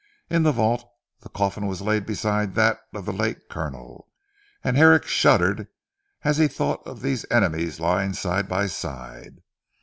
In the vault, the coffin was laid beside that of the late Colonel, and Herrick shuddered as he thought of these enemies lying side by side.